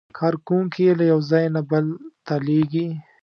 کارکوونکي یې له یو ځای نه بل ته لېږي.